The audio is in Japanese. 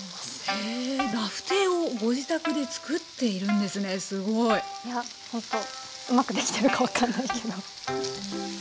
へえラフテーをご自宅で作っているんですねすごい。いやほんとうまくできてるか分かんないけど。